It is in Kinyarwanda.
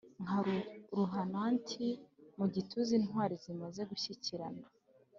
nkaba ruhananti mu gituza intwari zimaze gushyikirana